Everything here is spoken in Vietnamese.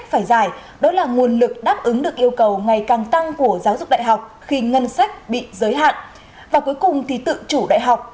và cuối cùng thì tự chủ đại học